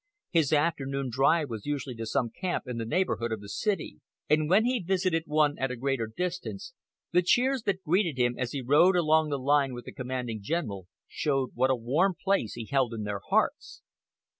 His afternoon drive was usually to some camp in the neighborhood of the city; and when he visited one at a greater distance, the cheers that greeted him as he rode along the line with the commanding general showed what a warm place he held in their hearts.